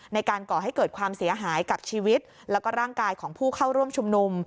ก่อให้เกิดความเสียหายกับชีวิตแล้วก็ร่างกายของผู้เข้าร่วมชุมนุม